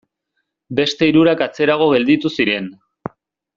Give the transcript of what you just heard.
Beste hirurak atzerago gelditu ziren.